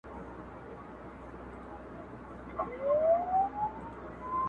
o او په لوړ ږغ په ژړا سو.